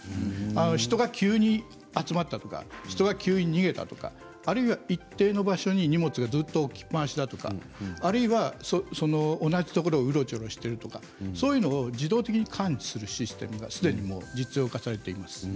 人が急に集まったとか人が急に逃げたとか一定の場所に荷物がずっと置きっぱなしだとか、あるいは同じところをうろちょろしているとかそういうのを自動的に感知するシステムがすでに実用化されています。